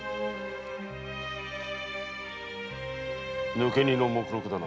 抜け荷の目録だな。